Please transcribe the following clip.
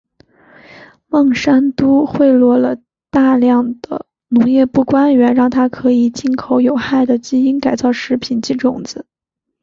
孟山都贿赂了大量的农业部官员让它可以进口有害的基因改造食品及种子。